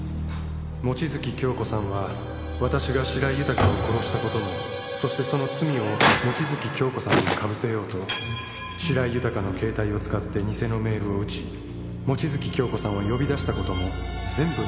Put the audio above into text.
「望月京子さんは私が白井豊を殺した事もそしてその罪を望月京子さんにかぶせようと白井豊の携帯を使って偽のメールを打ち望月京子さんを呼び出した事も全部見抜いていました」